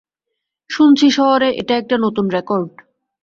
শুনছি শহরে এটা একটা নতুন রেকর্ড।